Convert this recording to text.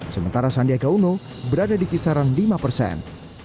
sementara sandiaga uno berada di kisaran lima persen